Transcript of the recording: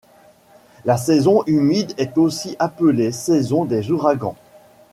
La saison humide est aussi appelée saison des ouragans.